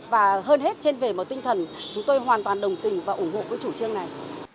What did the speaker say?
và hơn hết trên về một tinh thần chúng tôi hoàn toàn đồng tình và ủng hộ cái chủ trương này